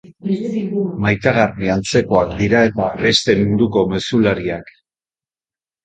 Maitagarri antzekoak dira eta beste munduko mezulariak.